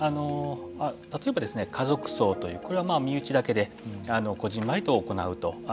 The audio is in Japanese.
例えばですね、家族葬というこれは身内だけで小ぢんまりと行うと。